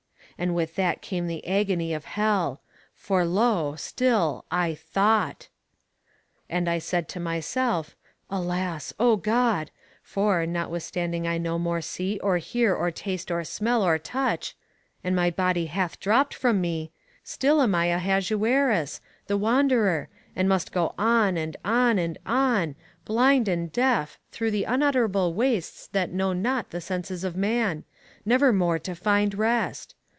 And with that came the agony of hell, for, lo, still I THOUGHT! And I said to myself, Alas! O God! for, notwithstanding I no more see or hear or taste or smell or touch, and my body hath dropped from me, still am I Ahasuerus, the Wanderer, and must go on and on and on, blind and deaf, through the unutterable wastes that know not the senses of man nevermore to find rest!